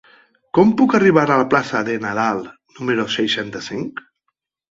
Com puc arribar a la plaça de Nadal número seixanta-cinc?